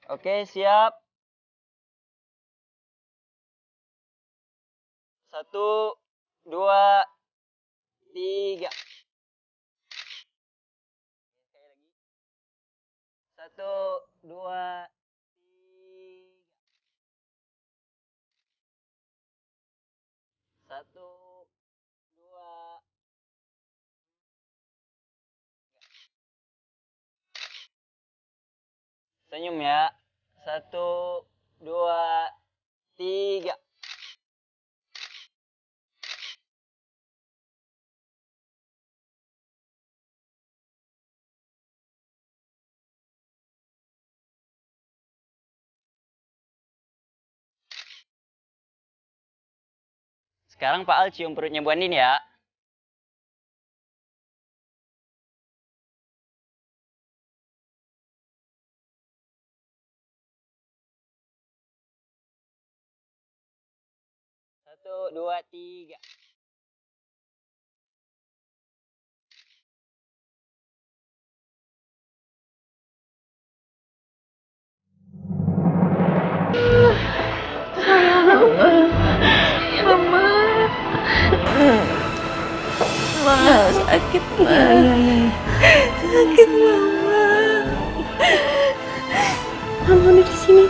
oke makasih tante